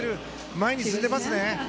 前に進んでいますね。